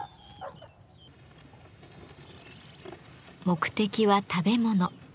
目的は食べ物。